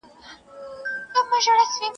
لکه چي جوړ سو ..